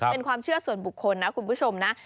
เป็นความเชื่อส่วนบุคคลนะคุณผู้ชมนะ